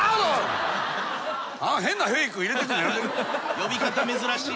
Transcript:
呼び方珍しい。